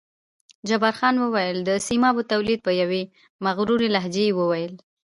جبار خان وویل: د سیمابو تولید، په یوې مغرورې لهجې یې وویل.